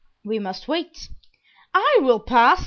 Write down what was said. "We must wait." "I will pass!"